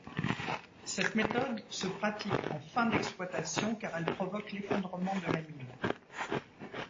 Cette méthode se pratique en fin d'exploitation car elle provoque l’effondrement de la mine.